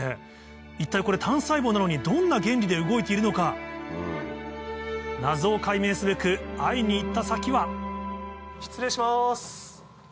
一体これ単細胞なのにどんな原理で動いているのか謎を解明すべく会いに行った先は失礼します。